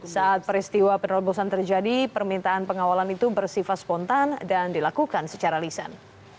saat peristiwa penerobosan terjadi permintaan pengawalan itu bersifat spontan dan dilakukan secara lisan